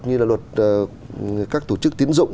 như là luật các tổ chức tiến dụng